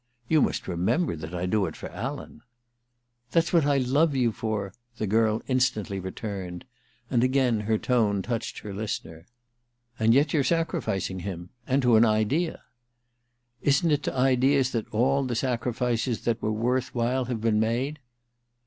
* You must remember that I do it for Alan.' * That's what I love you for !' the girl instantly returned ; and again her tone touched her listener. a96 THE QUICKSAND ii * And yet you're sacrificing him — and to an ^ Isn't it to ideas that all the sacrifices that were worth while have been made